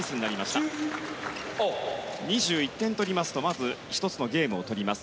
２１点取りますとまず１ゲーム取ります。